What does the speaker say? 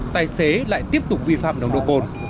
tài xế lại tiếp tục vi phạm nồng độ cồn